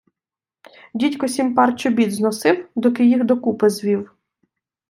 Дідько сім пар чобіт зносив, доки їх докупи звів.